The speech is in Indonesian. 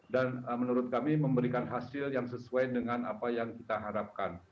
dan menurut kami memberikan hasil yang sesuai dengan apa yang kita harapkan